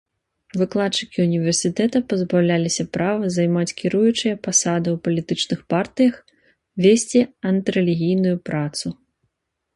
Выкладчыкі універсітэта пазбаўляліся права займаць кіруючыя пасады ў палітычных партыях, весці антырэлігійную працу.